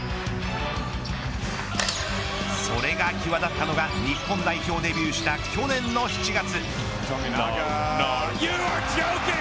それが際立ったのが日本代表デビューした去年の７月。